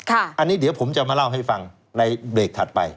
อันนี้เดี๋ยวผมจะมาเล่าให้ฟังในเบรกถัดไป